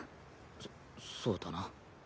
そそうだな。